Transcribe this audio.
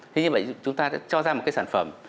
thế như vậy chúng ta đã cho ra một cái sản phẩm